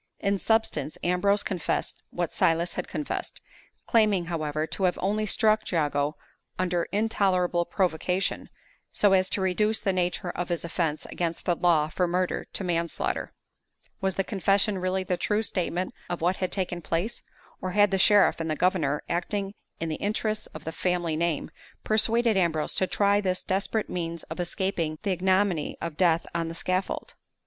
In substance, Ambrose confessed what Silas had confessed; claiming, however, to have only struck Jago under intolerable provocation, so as to reduce the nature of his offense against the law from murder to manslaughter. Was the confession really the true statement of what had taken place? or had the sheriff and the governor, acting in the interests of the family name, persuaded Ambrose to try this desperate means of escaping the ignominy of death on the scaffold?